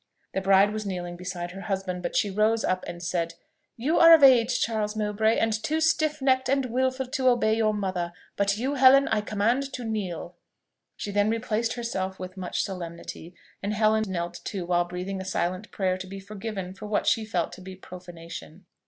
The bride was kneeling beside her husband; but she rose up and said, "You are of age, Charles Mowbray, and too stiff necked and wilful to obey your mother: but you, Helen, I command to kneel." She then replaced herself with much solemnity; and Helen knelt too, while breathing a silent prayer to be forgiven for what she felt to be profanation.